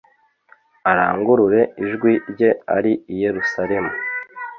arangurure ijwi rye ari i Yerusalemu